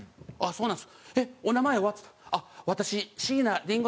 そうなんですよ。